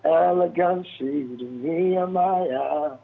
elegansi dunia maya